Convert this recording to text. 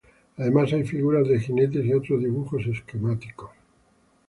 Además hay figuras de jinetes y otros dibujos esquemáticos.